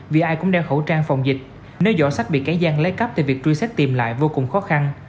vì ai cũng đeo khẩu trang phòng dịch nơi dỏ sách bị cái gian lấy cắp thì việc truy xét tìm lại vô cùng khó khăn